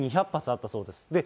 ２２００発あったそうです。